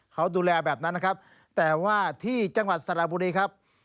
เขาดูแลแบบนั้นนะครับแต่ว่าที่จังหวัดสระบุรีครับ